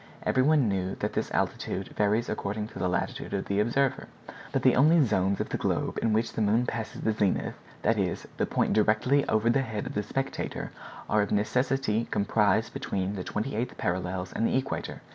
Every one knew that this altitude varies according to the latitude of the observer. But the only zones of the globe in which the moon passes the zenith, that is, the point directly over the head of the spectator, are of necessity comprised between the twenty eighth parallels and the equator.